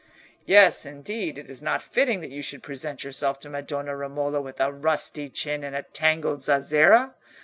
"Yes, indeed, it is not fitting that you should present yourself to Madonna Romola with a rusty chin and a tangled zazzera.